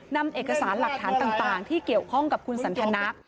นำเอกสารหลักฐานต่างที่เกี่ยวข้องกับคุณสันทนะ